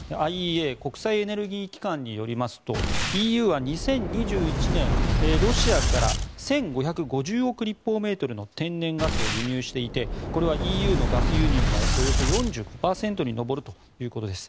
ＩＥＡ・国際エネルギー機関によりますとＥＵは２０２１年ロシアから１５５０億立方メートルの天然ガスを輸入していてこれはＥＵのガス輸入のおよそ４５％に上るということです。